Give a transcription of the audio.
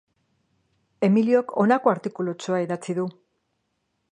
Emiliok honako artikulutxoa idatzi du.